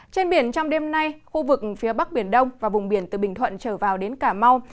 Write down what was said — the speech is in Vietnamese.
trên biển trong đêm nay khu vực phía bắc biển đông và vùng biển từ bình thuận trở vào đến cà mau